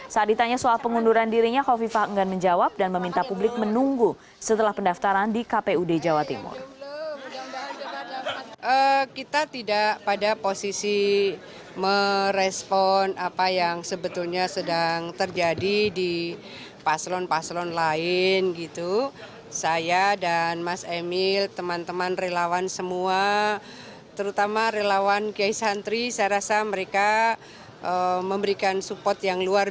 saat ditanya soal pengunduran dirinya hovifa enggan menjawab dan meminta publik menunggu setelah pendaftaran di kpud jawa timur